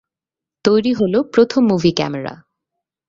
তৈরি হলো প্রথম মুভি ক্যামেরা।